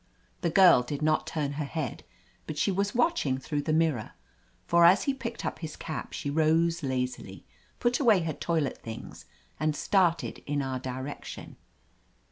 The girl did not turn her head, but she was watching through the mirror, for as he picked up his cap she rose lazily, put away her toilet things and started in our direction.